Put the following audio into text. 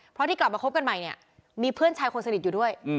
เพราะที่กลับมาคบกันใหม่เนี่ยมีเพื่อนชายคนสนิทอยู่ด้วย